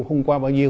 hôm qua bao nhiêu